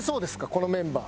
このメンバー。